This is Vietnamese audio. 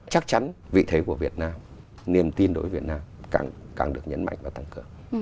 chắc chắn vị thế của việt nam niềm tin đối với việt nam càng được nhấn mạnh và tăng cường